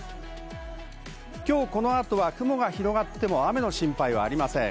今日、この後は雲が広がっても雨の心配はありません。